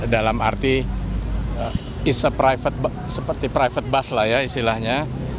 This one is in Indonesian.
dalam arti is surprivate seperti private bus lah ya istilahnya